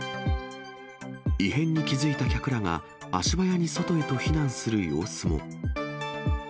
異変に気付いた客らが、足早に外へと避難する様子も。